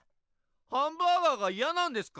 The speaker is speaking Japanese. ハンバーガーが嫌なんですか？